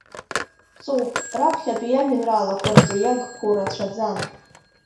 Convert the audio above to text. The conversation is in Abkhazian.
Ҵоуп, раԥхьатәи иажәеинраалақәа рҿы иагқәоу рацәаӡан.